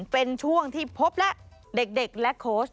เป็นช่วงที่พบและเด็กและโค้ช